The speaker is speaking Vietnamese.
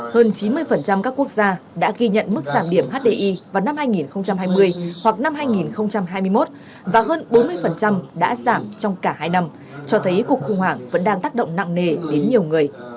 hơn chín mươi các quốc gia đã ghi nhận mức giảm điểm hdi vào năm hai nghìn hai mươi hoặc năm hai nghìn hai mươi một và hơn bốn mươi đã giảm trong cả hai năm cho thấy cuộc khủng hoảng vẫn đang tác động nặng nề đến nhiều người